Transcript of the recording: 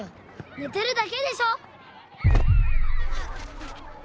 寝てるだけでしょ！